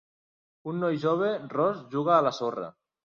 Un noi jove ros juga a la sorra.